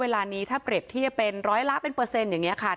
เวลานี้ถ้าเปรียบเทียบเป็นร้อยละเป็นเปอร์เซ็นต์อย่างนี้ค่ะ